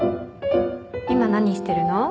今何してるの？